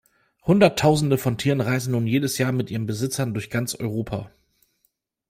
Hundertausende von Tieren reisen nun jedes Jahr mit ihren Besitzern durch ganz Europa.